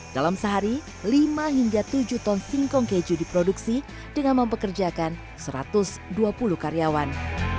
dalam sehari lima hingga tujuh ton singkong keju diproduksi dengan mempekerjakan satu ratus dua puluh karyawan